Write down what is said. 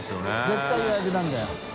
簑予約なんだよ。